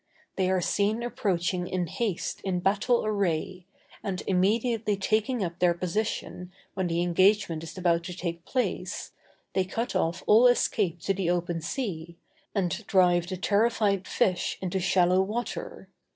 They are seen approaching in haste in battle array, and, immediately taking up their position when the engagement is about to take place, they cut off all escape to the open sea, and drive the terrified fish into shallow water.